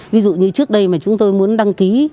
ví dụ như trước đây mà chúng tôi muốn đăng ký